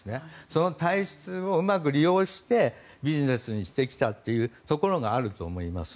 その体質をうまく利用してビジネスにしてきたというところがあると思います。